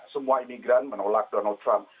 semua imigran menolak donald trump